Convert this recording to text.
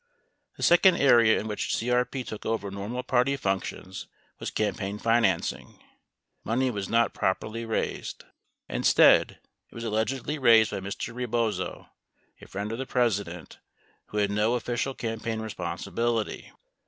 The second area in which CRP took over normal party functions was campaign financing. Money was not properly raised. Instead, it was allegedly raised by Mr. Rebozo, a friend of the President, who had no official campaign responsibility.